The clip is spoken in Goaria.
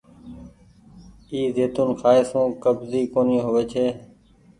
اي زيتونٚ کآئي سون ڪبزي ڪونيٚ هووي ڇي۔